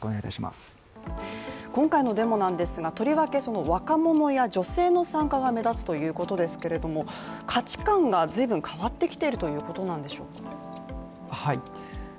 今回のデモなんですが、とりわけ若者や女性の参加が目立つということですけれども価値観がずいぶん変わってきているということなんでしょうか？